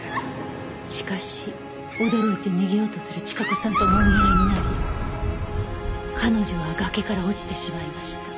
「しかし驚いて逃げようとする千加子さんともみ合いになり彼女は崖から落ちてしまいました」